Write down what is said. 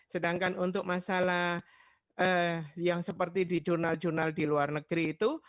sedangkan untuk masalah yang seperti di jurnal jurnal di luar negeri itu